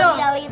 pegel dia pegel